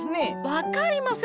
分かりません！